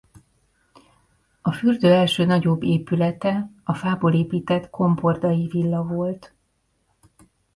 A fürdő első nagyobb épülete a fából épített Komporday-villa volt.